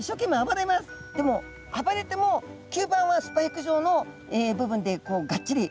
でも暴れても吸盤はスパイク状の部分でがっちり。